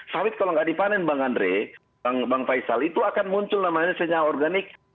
sawit kalau nggak dipanen bang andre bang faisal itu akan muncul namanya senyawa organik